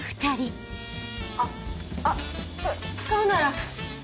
あっこれ使うなら。